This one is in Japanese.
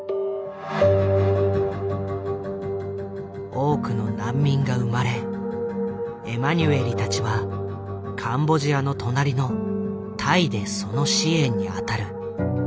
多くの難民が生まれエマニュエリたちはカンボジアの隣のタイでその支援に当たる。